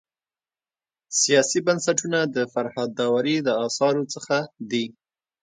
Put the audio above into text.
سیاسي بنسټونه د فرهاد داوري د اثارو څخه دی.